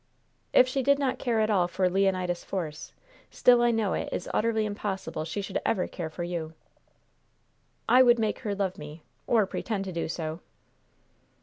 "If she did not care at all for Leonidas Force, still I know it is utterly impossible she should ever care for you." "I would make her love me or pretend to do so."